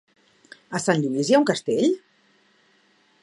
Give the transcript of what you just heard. A Sant Lluís hi ha un castell?